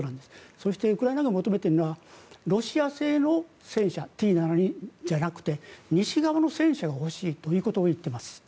そしてウクライナ軍が求めているのはロシア製の戦車Ｔ７２じゃなくて西側の戦車が欲しいということを言っています。